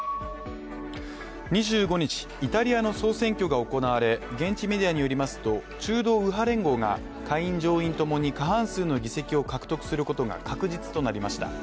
２５日、イタリアの総選挙が行われ現地メディアによりますと、中道右派連合が下院・上院ともに、過半数の議席を獲得することが確実となりました。